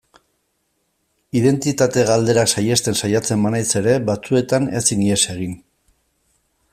Identitate galderak saihesten saiatzen banaiz ere, batzuetan ezin ihes egin.